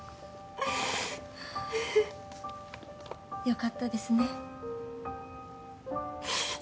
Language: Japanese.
よかったですね。